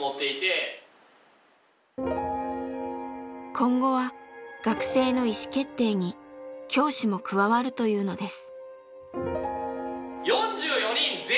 今後は学生の意思決定に教師も加わるというのです。